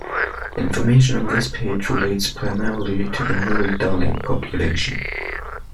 Information on this page relates primarily to the Murray-Darling population.